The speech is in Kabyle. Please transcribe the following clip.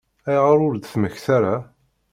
Ayɣer ur d-temmekta ara?